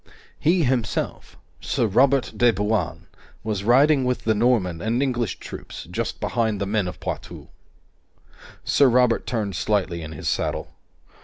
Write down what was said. He himself, Sir Robert de Bouain, was riding with the Norman and English troops, just behind the men of Poitou. Sir Robert turned slightly in his saddle.